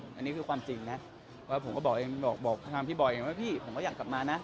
อันนี้คือความจริงนะว่าผมก็บอกเองบอกทางพี่บอยเองว่าพี่ผมก็อยากกลับมานะ